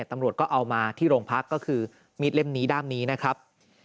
ตำรวจก็เอามาที่โรงพักก็คือมีดเล่มนี้ด้ามนี้นะครับ